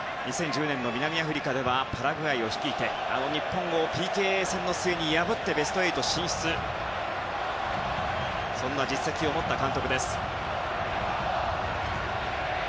２０１０年南アフリカではパラグアイを率いて日本をＰＫ戦の末に破ってベスト８進出という実績を持つ監督です。